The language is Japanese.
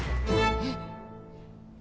えっ。